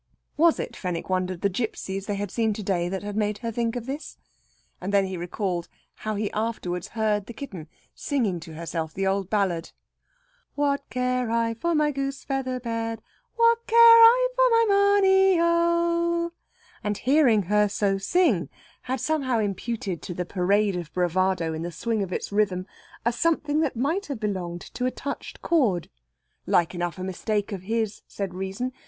Was it, Fenwick wondered, the gipsies they had seen to day that had made her think of this? and then he recalled how he afterwards heard the kitten singing to herself the old ballad: "What care I for my goose feather bed? What care I for my money oh?" and hearing her so sing had somehow imputed to the parade of bravado in the swing of its rhythm a something that might have belonged to a touched chord. Like enough a mistake of his, said Reason.